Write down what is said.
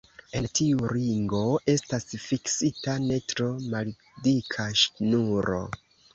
En tiu ringo estas fiksita ne tro maldika ŝnuro.